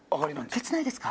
ケツないですか？